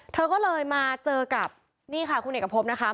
เธอก็เลยมาเจอกับนี่ค่ะคุณเอกพบนะคะ